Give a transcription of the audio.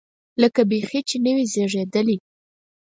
لکه بیخي چې نه وي زېږېدلی.